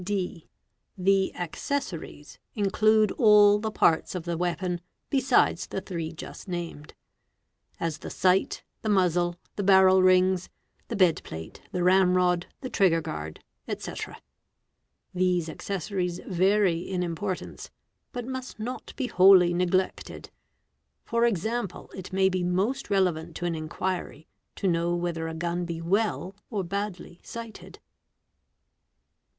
(d) The accessories include all the parts of the weapon besides the _ three just named; as the sight, the muzzle, the barrel rings, the bed _ plate, the ram rod, the trigger guard, &c. These accessories vary in f importance: but must not be wholly neglected. For example, it may be most relevant to an inquiry to know whether a gun be well or badly }; sighted.